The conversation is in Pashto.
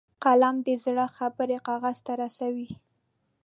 قلم د زړه خبرې کاغذ ته رسوي